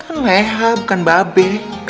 kan lea bukan mbak be